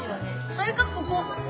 それかここ！